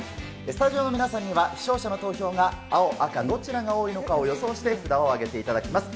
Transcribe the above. スタジオの皆さんには視聴者の投票が青、赤どちらが多いのかを予想して札を上げていただきます。